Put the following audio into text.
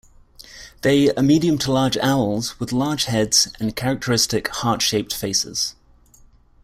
They are medium to large owls with large heads and characteristic heart-shaped faces.